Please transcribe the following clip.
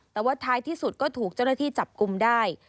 แต่ว่าท้ายที่สุดก็ถูกเจ้าหน้าที่จับกลุ่มได้